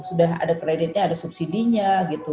sudah ada kreditnya ada subsidi nya gitu